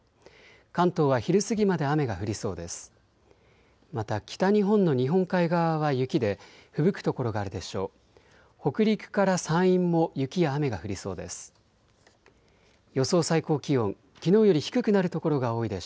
関東は昼過ぎまで雨が降りそうです。